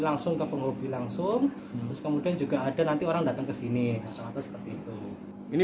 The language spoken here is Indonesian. langsung ke penghobi langsung terus kemudian juga ada nanti orang datang ke sini seperti itu ini